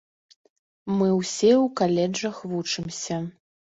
Мы ўсе ў каледжах вучымся.